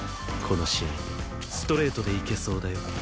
この試合ストレートでいけそうだよ。